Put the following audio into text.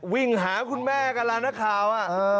วิ่งหาคุณแม่กับลานหน้าข่าวอ่ะ